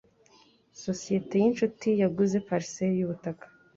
Sosiyete yinshuti yaguze parcelle yubutaka